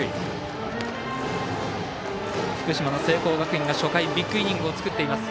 福島の聖光学院が初回ビッグイニングを作っています。